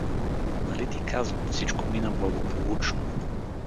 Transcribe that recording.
Нали ти казвам, всичко мина благополучно.